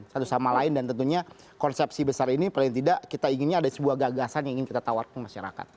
satu sama lain dan tentunya konsepsi besar ini paling tidak kita inginnya ada sebuah gagasan yang ingin kita tawarkan masyarakat